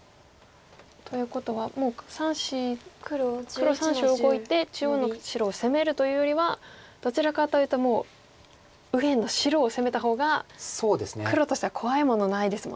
ということはもう３子黒３子を動いて中央の白を攻めるというよりはどちらかというともう右辺の白を攻めた方が黒としては怖いものないですもんね。